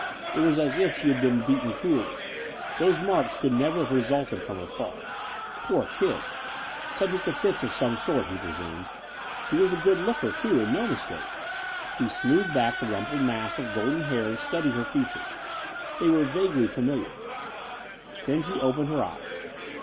It was as if she had been beaten cruelly; those marks could never have resulted from her fall. Poor kid. Subject to fits of some sort, he presumed. She was a good looker, too, and no mistake. He smoothed back the rumpled mass of golden hair and studied her features. They were vaguely familiar. Then she opened her eyes.